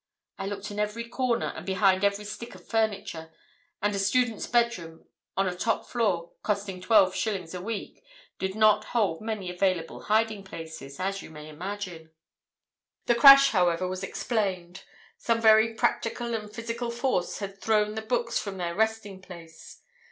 I looked in every corner and behind every stick of furniture, and a student's bedroom on a top floor, costing twelve shillings a week, did not hold many available hiding places, as you may imagine. "The crash, however, was explained. Some very practical and physical force had thrown the books from their resting place.